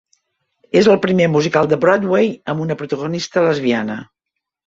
És el primer musical de Broadway amb una protagonista lesbiana.